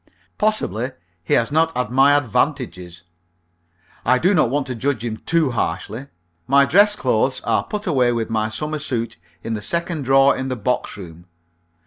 Possibly he has not had my advantages. I do not want to judge him too harshly. My dress clothes are put away with my summer suit in the second drawer in the box room.